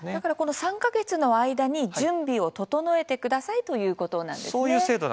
３か月の間に準備を整えてくださいということなんですね。